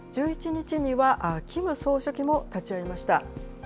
１１日にはキム総書記も立ち会いました。